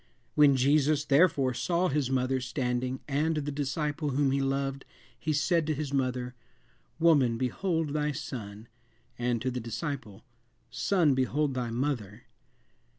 When Jesus, therefore, saw his mother standing, and the disciple whom he loved, he said to his mother, Woman, behold thy son, and to the disciple, Son, behold thy mother."